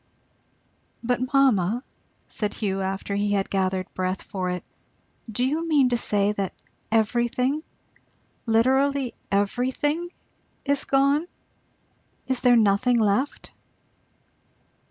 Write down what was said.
"But mamma," said Hugh, after he had gathered breath for it, "do you mean to say that everything, literally everything, is gone? is there nothing left?"